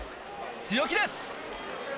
強気です！